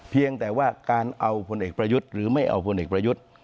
เพียงแต่ว่าการเอาพลเอกประยุทธ์หรือไม่เอาพลเอกประยุทธ์